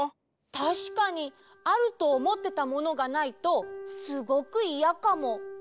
たしかにあるとおもってたものがないとすごくイヤかも。